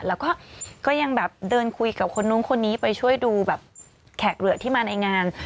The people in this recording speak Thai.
แล้วก็ก็ยังแบบเดินคุยกับคนนู้นคนนี้ไปช่วยดูแบบแขกเหลือที่มาในงาน